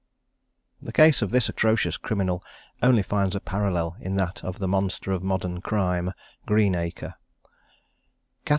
The case of this atrocious criminal only finds a parallel in that of the monster of modern crime Greenacre.